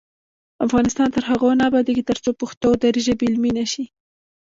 افغانستان تر هغو نه ابادیږي، ترڅو پښتو او دري ژبې علمي نشي.